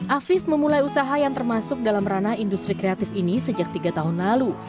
afif memulai usaha yang termasuk dalam ranah industri kreatif ini sejak tiga tahun lalu